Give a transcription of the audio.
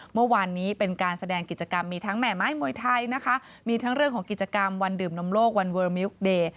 เมื่อวานนี้เป็นการแสดงกิจกรรมมีทั้งแห่ไม้มวยไทยนะคะมีทั้งเรื่องของกิจกรรมวันดื่มนมโลกวันเวอร์มิวกเดย์